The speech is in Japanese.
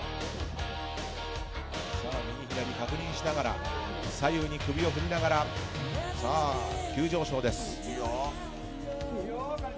右左確認しながら左右に首を振りながら急上昇です。